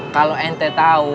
kalau ente tau